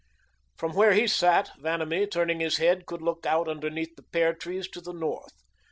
From where he sat, Vanamee, turning his head, could look out underneath the pear trees to the north.